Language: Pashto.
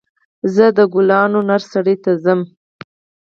زه د ګلانو نرسرۍ ته ځم.